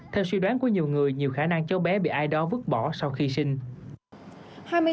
theo suy đoán của nhiều người nhiều khả năng cháu bé bị ai đó vứt bỏ sau khi sinh